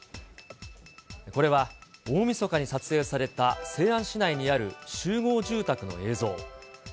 これは、大みそかに撮影された、西安市内にある集合住宅の映像。